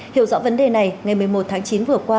hiểu rõ vấn đề này ngày một mươi một tháng chín vừa qua